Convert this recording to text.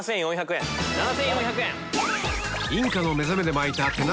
７４００円。